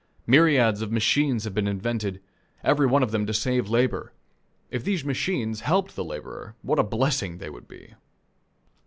Myriads of machines have been invented every one of them to save labor. If these machines helped the laborer, what a blessing they would be!